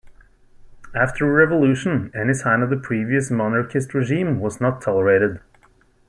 After the revolution, any sign of the previous monarchist regime was not tolerated.